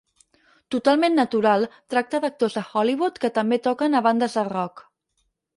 "Totalment Natural" tracta d'actors de Hollywood que també toquen a bandes de rock.